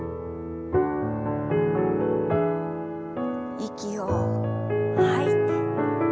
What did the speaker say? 息を吐いて。